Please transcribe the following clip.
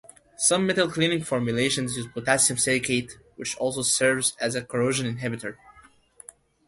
Some metal cleaning formulations use potassium silicate, which also serves as a corrosion inhibitor.